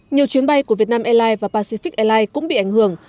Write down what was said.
nhiều chuyến bay của việt nam airlines và pacific airlines cũng bị ảnh hưởng